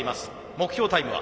目標タイムは？